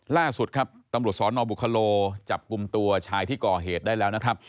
ล่าสุดครับตำรวจสนบุคโลจับกลุ่มตัวชายที่ก่อเหตุได้แล้วนะครับ